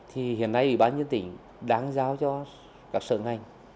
hiện nay ủy ban nhân dân tỉnh đáng giao cho các sở ngành